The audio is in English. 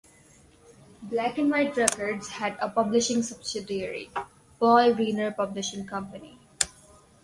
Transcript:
Black and White Records had a publishing subsidiary, Paul Reiner Publishing Company.